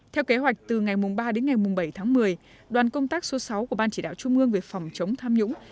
theo kế hoạch từ ngày ba đến ngày bảy tháng một mươi đoàn công tác số sáu của ban chỉ đạo trung ương về phòng chống tham nhũng